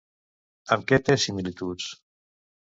Amb què té simil·lituds?